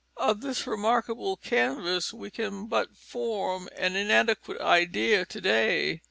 Of this remarkable canvas we can but form an inadequate idea to day.